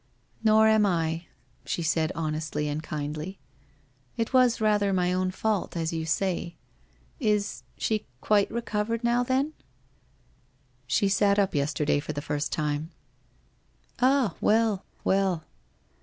' Nor am I,' she said honestly and kindly. ' It was rather my own fault, as you say. Is — she quite recovered now, then ?'* She sat up yesterday for the first time/ 'Ah, well, well!